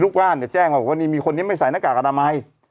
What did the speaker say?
ลูกบ้านเนี่ยแจ้งว่าวันนี้มีคนนี้ไม่ใส่หน้ากากอนามัย